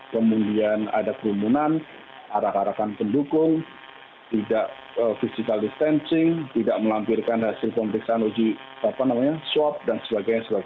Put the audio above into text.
kemudian ada kerumunan arak arakan pendukung tidak physical distancing tidak melampirkan hasil pemeriksaan uji swab dan sebagainya